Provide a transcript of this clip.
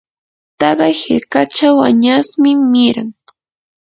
taqay hirkachaw añasmi miran.